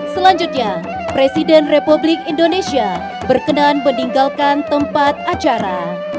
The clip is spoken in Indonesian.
selanjutnya presiden republik indonesia berkenan meninggalkan tempat acara